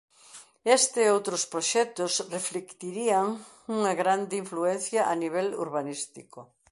Este e outros proxectos reflectirían unha grande influencia a nivel urbanístico.